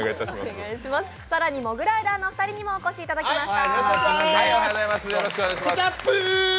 更にモグライダーのお二人にもお越しいただきました。